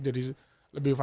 jadi lebih fasil